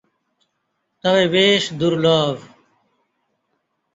তবে বেশ দুর্লভ।